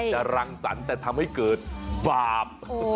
รังสรรค์แต่ทำให้เกิดบาป